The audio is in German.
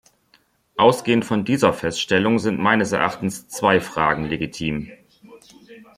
Ausgehend von dieser Feststellung sind meines Erachtens zwei Fragen legitim.